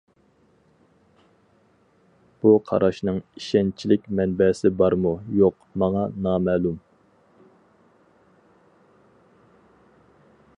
بۇ قاراشنىڭ ئىشەنچلىك مەنبەسى بارمۇ-يوق ماڭا نامەلۇم.